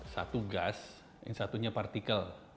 satu gas yang satunya partikel